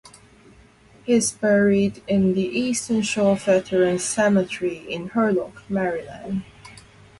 He is buried in the Eastern Shore Veterans Cemetery in Hurlock, Maryland.